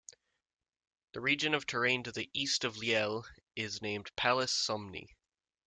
The region of terrain to the east of Lyell is named Palus Somni.